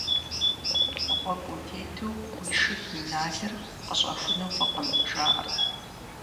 Гъуэгу утету уи шым и налыр къыщӀэхуну фӀыкъым, жаӀэрт.